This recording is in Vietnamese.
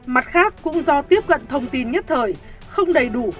mặt khác cũng do tiếp cận thông tin nhất thời không đầy đủ